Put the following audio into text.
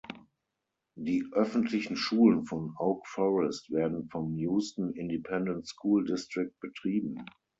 Die öffentlichen Schulen von Oak Forest werden vom Houston Independent School District betrieben.